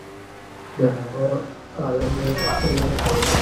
د هغه عالم نه یې پوښتنه نه کوله.